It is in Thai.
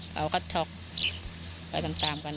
เขาก็ช็อกไปตามกัน